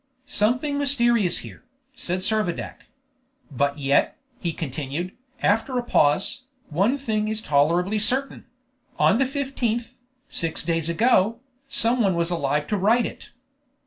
"Something mysterious here!" said Servadac. "But yet," he continued, after a pause, "one thing is tolerably certain: on the 15th, six days ago, someone was alive to write it."